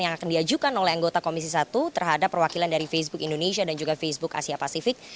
yang akan diajukan oleh anggota komisi satu terhadap perwakilan dari facebook indonesia dan juga facebook asia pasifik